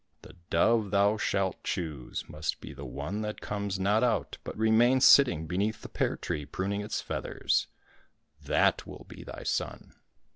The dove thou shalt choose must be the one that comes not out, but remains sitting beneath the pear tree pruning its feathers ; that will be thy son."